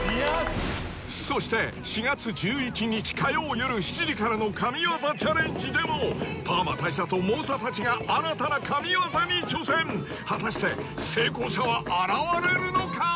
そして４月１１日火曜よる７時からの「神業チャレンジ」でもパーマ大佐と猛者たちが新たな神業に挑戦果たして成功者は現れるのか